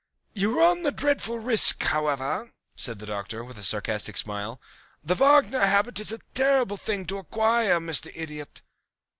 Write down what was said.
"You run a dreadful risk, however," said the Doctor, with a sarcastic smile. "The Wagner habit is a terrible thing to acquire, Mr. Idiot."